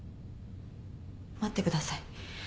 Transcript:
待ってください。